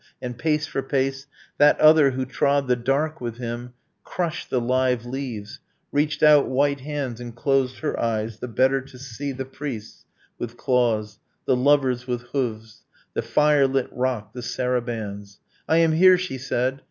And pace for pace That other, who trod the dark with him, Crushed the live leaves, reached out white hands And closed her eyes, the better to see The priests with claws, the lovers with hooves, The fire lit rock, the sarabands. I am here! she said.